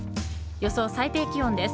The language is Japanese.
予想最低気温です。